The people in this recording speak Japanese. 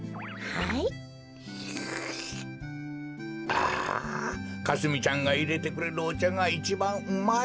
あかすみちゃんがいれてくれるおちゃがいちばんうまい。